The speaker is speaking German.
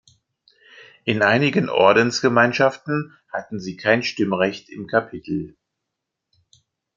In einigen Ordensgemeinschaften hatten sie kein Stimmrecht im Kapitel.